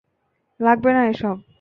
লাগবে না এসব।